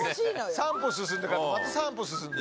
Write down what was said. ３歩進んで買ってまた３歩進んで。